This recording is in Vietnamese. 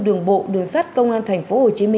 đường bộ đường sát công an tp hcm